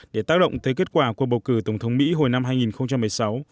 để tác động tới kết quả của bầu cử tổng thống mỹ hồi năm hai nghìn một mươi sáu